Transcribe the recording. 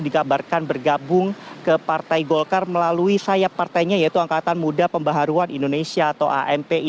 dikabarkan bergabung ke partai golkar melalui sayap partainya yaitu angkatan muda pembaharuan indonesia atau ampi